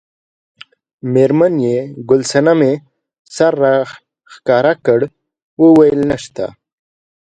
میرمن یې ګل صمنې سر راښکاره کړ وویل نشته.